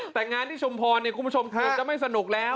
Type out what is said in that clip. แต่งานที่ชมพรกรุงผู้ชมที่อีกก็ไม่สนุกแล้ว